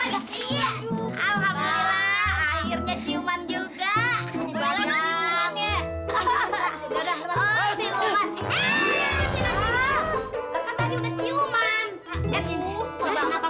alhamdulillah akhirnya ciuman juga